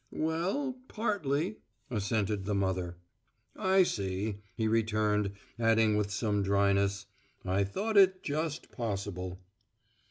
"Well partly," assented the mother. "I see," he returned, adding with some dryness: "I thought it just possible."